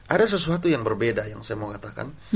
ada sesuatu yang berbeda yang saya mau katakan